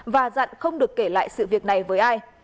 và dặn không được kể lại sự việc này với ai